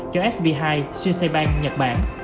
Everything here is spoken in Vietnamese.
cho sb hai shisei bank nhật bản